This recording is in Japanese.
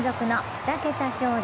２桁勝利